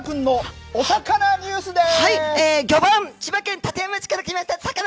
続いては、さかなクンのおさかなニュースです。